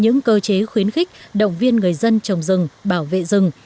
những cơ chế khuyến khích động viên người dân trồng rừng bảo vệ rừng